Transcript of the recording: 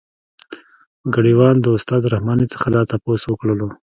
ګاډی وان د استاد رحماني څخه دا تپوس وکړلو.